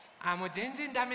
ぜんぜんダメ。